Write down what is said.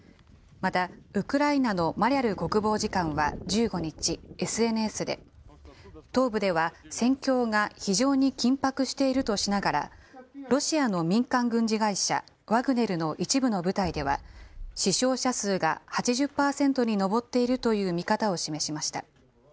また、ウクライナのマリャル国防次官は１５日、ＳＮＳで、東部では戦況が非常に緊迫しているとしながら、ロシアの民間軍事会社、ワグネルの一部の部隊では、死傷者数が８０％に上っているという見方を示しました。